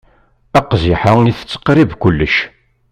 Aqziḥ-a itett qrib kullec.